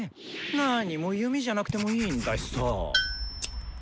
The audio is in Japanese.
なにも弓じゃなくてもいいんだしさ。